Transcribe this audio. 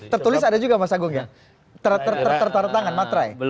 tertulis ada juga mas agung ya